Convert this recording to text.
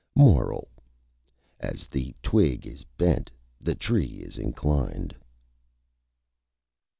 MORAL: _As the Twig is Bent the Tree is Inclined.